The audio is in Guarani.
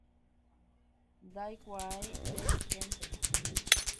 Ndaikuaái, nderehénte.